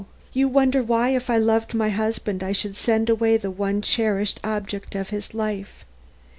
You wonder why, if I loved my husband, I should send away the one cherished object of his life.